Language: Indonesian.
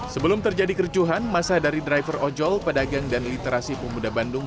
sebelum terjadi kericuhan masa dari driver ojol pedagang dan literasi pemuda bandung